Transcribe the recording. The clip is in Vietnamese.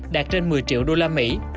đạt trên một mươi triệu đô la mỹ